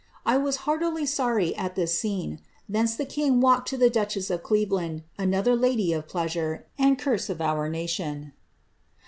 I was heartily sorry at this acene. e the king walked to the duchess of Cleveland,* another lady of ^ and curse of our nation.